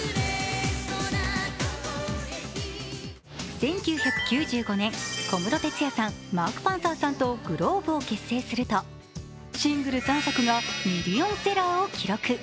１９９５年、小室哲哉さん、マーク・パンサーさんとｇｌｏｂｅを結成するとシングル３作がミリオンセラーを記録。